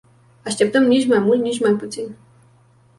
Așteptăm nici mai mult, nici mai puțin!